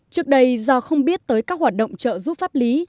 trước đây do không biết tới các hoạt động trợ giúp pháp lý